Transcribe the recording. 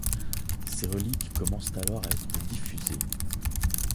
Ses reliques commencent alors à être diffusées.